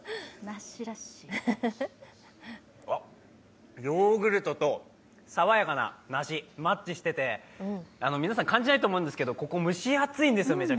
わっ、ヨーグルトと爽やかな梨マッチしてて皆さん感じないと思うんですけど、ここめちゃくちゃ蒸し暑いんですよ。